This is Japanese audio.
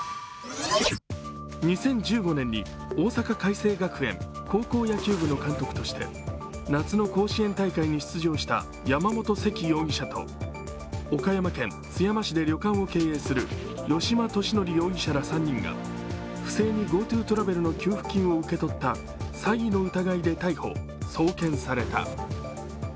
２０１５年に大阪偕星学園高校野球部の監督として夏の甲子園大会に出場した山本セキ容疑者と岡山県津山市で旅館を経営する吉間俊典容疑者ら３人が不正にＧｏＴｏトラベルの給付金を受け取った詐欺の疑いで逮捕・送検された。